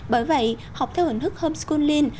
bởi vậy học theo hình thức homeschooling